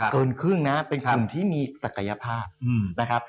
เกินครึ่งนะเป็นกลุ่มที่มีศักยภาพนะครับ